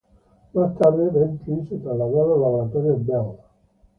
Más tarde, Bentley se trasladó a los Laboratorios Bell.